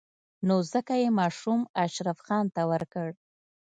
نو ځکه يې ماشوم اشرف خان ته ورکړ.